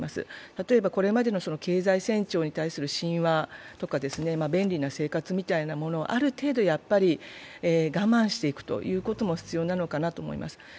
例えば、これまでの経済成長に対する神話とか、便利な生活みたいなものをある程度、我慢していくことも必要なのかなと思います。